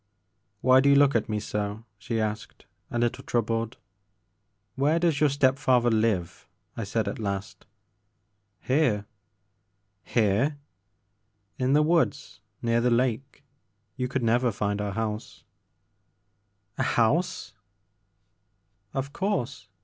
'* Why do you look at me so ?" she asked, a little troubled. Where does your step father live ?" I said at last. Here." '* Here !"In the woods near the lake. You could never find our house." The Maker of Moans. 49 "A house r' Of course.